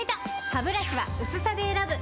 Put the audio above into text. ハブラシは薄さで選ぶ！